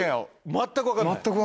全く分かんない？